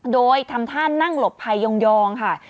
โดยทำท่านั่งหลบภัยยองค่ะ